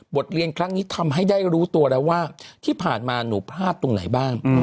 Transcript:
เรียนครั้งนี้ทำให้ได้รู้ตัวแล้วว่าที่ผ่านมาหนูพลาดตรงไหนบ้าง